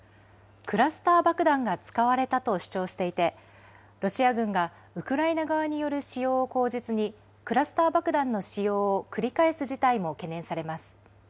クラスター爆弾が使われたと主張していて、ロシア軍がウクライナ側による使用を口実に、クラスター爆弾の使用を繰り返す事態